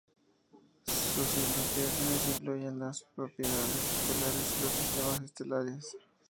Sus investigaciones incluyen las propiedades estelares y los sistemas estelares.